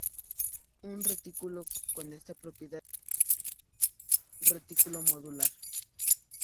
Un retículo con esta propiedad se llama un retículo modular.